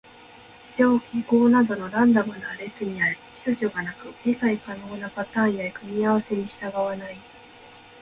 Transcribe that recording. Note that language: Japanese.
事象・記号などのランダムな列には秩序がなく、理解可能なパターンや組み合わせに従わない。